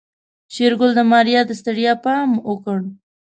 شېرګل د ماريا د ستړيا پام وکړ.